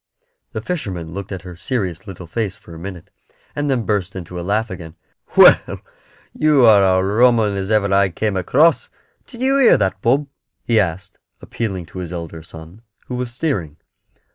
The fisherman looked at her serious little face for a minute, and then burst into a laugh again. "Well, you are a rum 'un as ever I came across. Did you hear that, Bob?" he asked, appealing to his elder son, who was steering.